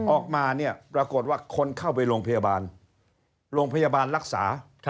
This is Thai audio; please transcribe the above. ออกมาเนี่ยปรากฏว่าคนเข้าไปโรงพยาบาลโรงพยาบาลรักษา